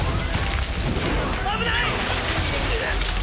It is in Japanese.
危ない！